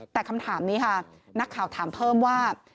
แต่คำถามนี้ค่ะนักข่าวถามเพิ่มว่า